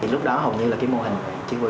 lúc đó hầu như là cái mô hình